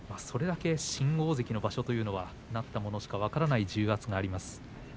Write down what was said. それだけ新大関の場所というのはなった者しか分からない重圧があります。